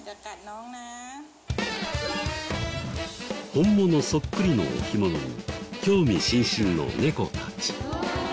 本物そっくりの置物に興味津々の猫たち。